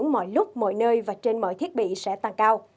mọi lúc mọi nơi và trên mọi thiết bị sẽ tăng cao